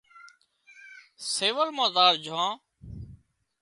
سول مان زار جھان